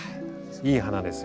いい花ですよ